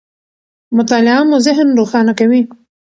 مطالعه مو ذهن روښانه کوي.